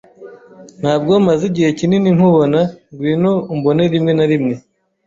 Ntabwo maze igihe kinini nkubona. Ngwino umbone rimwe na rimwe.